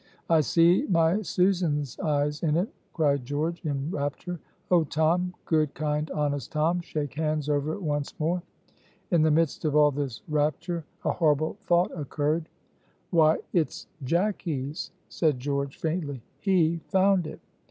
"I see my Susan's eyes in it," cried George, in rapture. "Oh, Tom, good, kind, honest Tom, shake hands over it once more!" In the midst of all this rapture a horrible thought occurred. "Why, it's Jacky's," said George, faintly, "he found it."